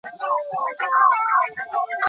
修蕨为水龙骨科修蕨属下的一个种。